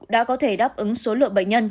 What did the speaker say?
đã có thể đáp ứng số lượng bệnh nhân